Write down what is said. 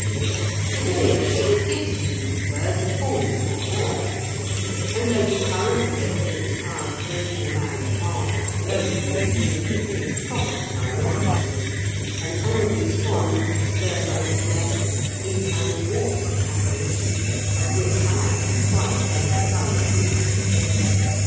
At any rate, it gives to these birds a formidable air, and, though the current belief in its power of breaking a man's arm with a blow from its wing is probably unwarranted, an angry swan, disturbed on its nest, is an awesome apparition of which I have twice taken hurried leave.